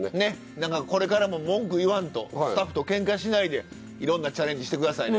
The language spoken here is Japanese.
何かこれからも文句言わんとスタッフとケンカしないでいろんなチャレンジして下さいね。